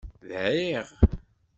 Dɛiɣ.